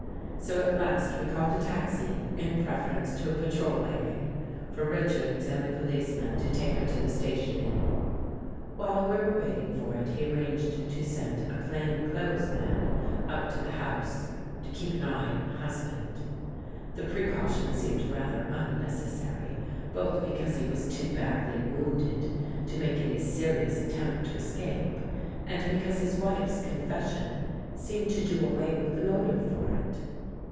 So at last we called a taxi in preference to a patrol wagon, for Richards and the policeman to take her to the station in. While we were waiting for it, he arranged to send a plain clothes man up to the house to keep an eye on the husband. The pre caution seemed rather unnecessary, both because he was too badly wounded to make any serious attempt to escape and because his wife's confession seemed to do away with the motive for it.